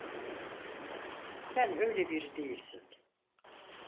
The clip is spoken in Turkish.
Sen öyle biri değilsin.